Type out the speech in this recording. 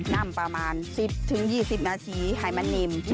นำประมาณ๑๐๒๐นาทีหายมันนิม